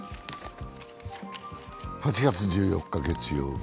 ８月１４日月曜日。